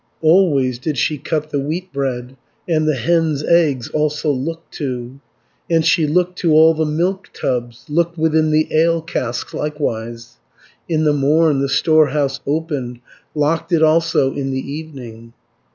Always did she cut the wheatbread, And the hens' eggs also looked to, 160 And she looked to all the milk tubs, Looked within the ale casks likewise, In the morn the storehouse opened, Locked it also in the evening.